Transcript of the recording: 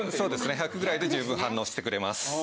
１００ぐらいで十分反応してくれます。